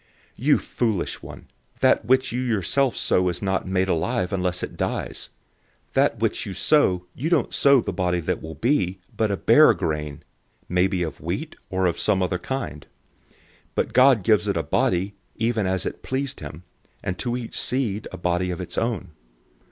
015:036 You foolish one, that which you yourself sow is not made alive unless it dies. 015:037 That which you sow, you don't sow the body that will be, but a bare grain, maybe of wheat, or of some other kind. 015:038 But God gives it a body even as it pleased him, and to each seed a body of its own.